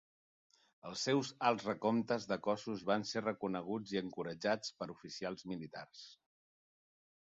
Els seus alts recomptes de cossos van ser reconeguts i encoratjats per oficials militars.